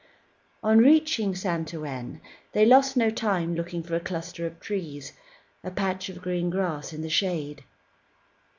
On reaching Saint Ouen, they lost no time in looking for a cluster of trees, a patch of green grass in the shade.